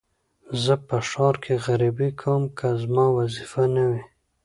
زه په ښار کې غريبي کوم که زما وظيفه نه وى.